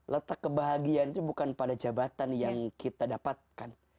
letak kebahagiaan itu bukan pada jabatan yang kita dapatkan